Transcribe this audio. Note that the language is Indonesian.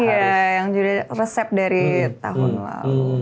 iya yang sudah resep dari tahun lalu